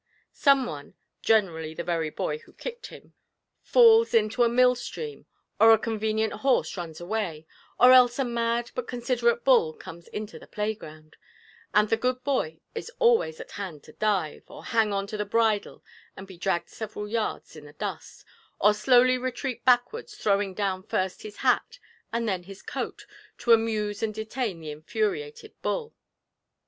Someone (generally the very boy who kicked him) falls into a mill stream, or a convenient horse runs away, or else a mad but considerate bull comes into the playground and the good boy is always at hand to dive, or hang on to the bridle and be dragged several yards in the dust, or slowly retreat backwards, throwing down first his hat and then his coat to amuse and detain the infuriated bull.